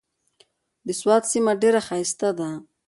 د سوات سيمه ډېره ښايسته ده۔